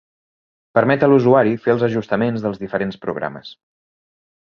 Permet a l'usuari fer els ajustaments dels diferents programes.